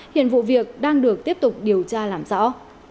hiện vụ việc đang được tiếp tục điều tra làm rõ